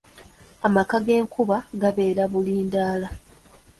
Amaka g’enkuba gabeera Bulindaala.